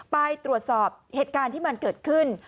ไปตรวจสอบเหตุการณ์ที่มันเกิดขึ้น